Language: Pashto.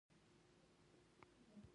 له کوم ځای ځان وساتم؟